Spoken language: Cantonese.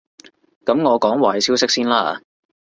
噉我講壞消息先啦